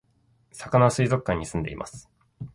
さかなは水族館に住んでいます